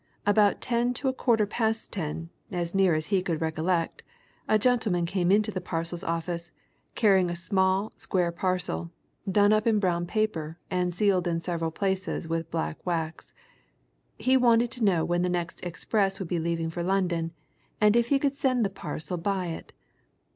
About ten to a quarter past ten, as near as he could recollect, a gentleman came into the parcels office, carrying a small, square parcel, done up in brown paper and sealed in several places with black wax. He wanted to know when the next express would be leaving for London, and if he could send the parcel by it.